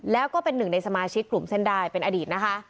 แล้วก็เป็นหนึ่งในสมาชิกกลุ่มเส้นได้เป็นอดีตนะคะ